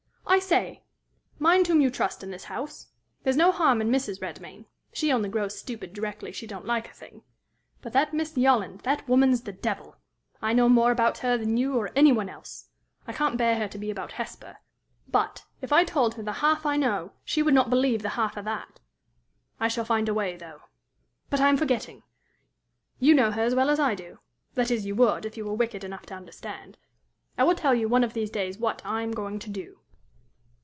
"I say! Mind whom you trust in this house. There's no harm in Mrs. Redmain; she only grows stupid directly she don't like a thing. But that Miss Yolland! that woman's the devil. I know more about her than you or any one else. I can't bear her to be about Hesper; but, if I told her the half I know, she would not believe the half of that. I shall find a way, though. But I am forgetting! you know her as well as I do that is, you would, if you were wicked enough to understand. I will tell you one of these days what, I am going to do.